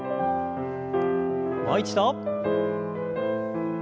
もう一度。